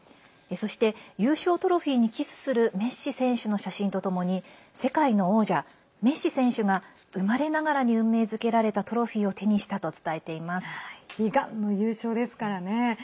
そして優勝トロフィーにキスするメッシ選手の写真とともに「世界の王者、メッシ選手が生まれながらに運命づけられたトロフィーを手にした」と悲願の優勝ですからね。